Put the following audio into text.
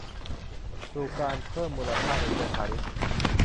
สู่การเพิ่มมูลค่าในเชิงพาณิชย์